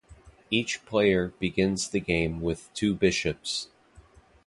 Each player begins the game with two bishops.